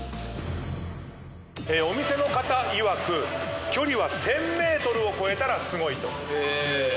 お店の方いわく距離は１，０００ｍを超えたらすごいと。